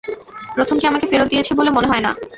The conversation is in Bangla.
প্রথমটি আমাকে ফেরত দিয়েছে বলে মনে হয় না।